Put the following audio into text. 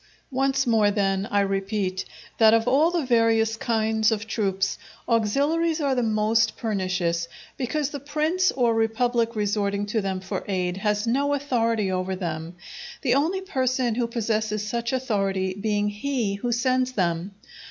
Once more then, I repeat, that of all the various kinds of troops, auxiliaries are the most pernicious, because the prince or republic resorting to them for aid has no authority over them, the only person who possesses such authority being he who sends them.